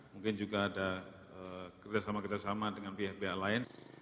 mungkin juga ada kerjasama kerjasama dengan pihak pihak lain